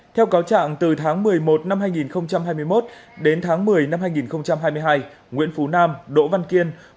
theo cáo trạng từ tháng một mươi một năm hai nghìn hai mươi một đến tháng một mươi năm hai nghìn hai mươi hai nguyễn phú nam đỗ văn kiên